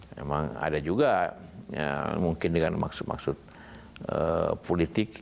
memang ada juga mungkin dengan maksud maksud politik